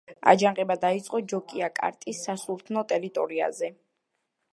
აჯანყება დაიწყო ჯოკიაკარტის სასულთნო ტერიტორიაზე.